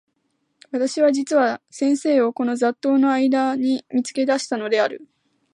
私は実に先生をこの雑沓（ざっとう）の間（あいだ）に見付け出したのである。